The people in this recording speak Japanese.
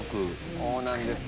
そうなんですよ。